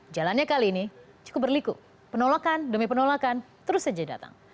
jalannya kali ini cukup berliku penolakan demi penolakan terus saja datang